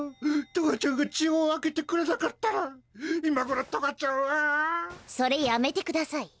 トガちゃんが血を分けてくれなかったら今頃トガちゃんは。それやめて下さい。